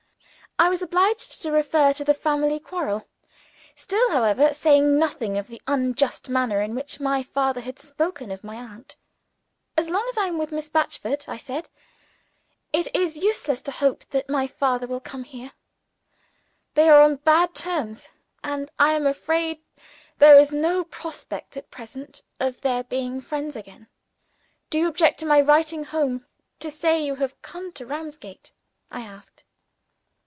I was obliged to refer to the family quarrel still, however, saying nothing of the unjust manner in which my father had spoken of my aunt. "As long as I am with Miss Batchford," I said, "it is useless to hope that my father will come here. They are on bad terms; and I am afraid there is no prospect, at present, of their being friends again. Do you object to my writing home to say you have come to Ramsgate?" I asked.